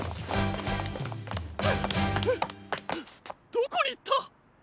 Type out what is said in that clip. どこにいった！？